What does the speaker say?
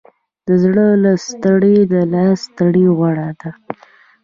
د زړه له ستړې، د لاس ستړې غوره ده.